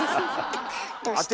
どうして？